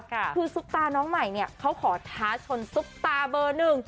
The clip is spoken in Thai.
คือซุปตาน้องใหม่เนี่ยเขาขอท้าชนซุปตาเบอร์หนึ่ง